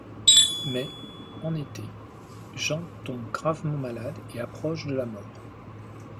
Mais, en été, Jean tombe gravement malade et approche de la mort.